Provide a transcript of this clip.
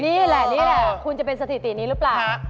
นี่แหละคุณจะเป็นสถิตินี้หรือเปล่า